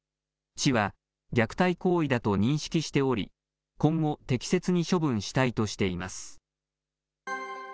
市は、虐待行為だと認識しており、今後、適切に処分したいとしています。